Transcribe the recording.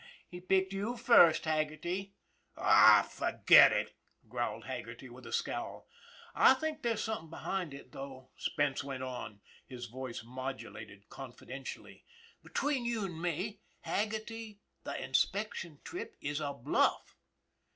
He picked you first, Haggerty." " Aw, forget it !" growled Haggerty, with a scowl. " I think there's something behind it, though," Spence went on, his voice modulated confidentially. " Between you and me, Haggerty, the inspection trip is a bluff."